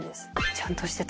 ちゃんとしてた。